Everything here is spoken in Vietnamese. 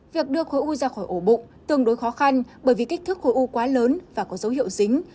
việc đưa khối u ra khỏi ổ bụng tương đối khó khăn bởi vì kích thước khối u quá lớn và có dấu hiệu dính